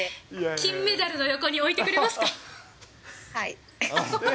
金メダルの横に置いてくれまはい。